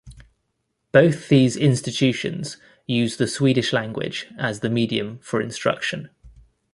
Both these institutions use the Swedish language as the medium for instruction.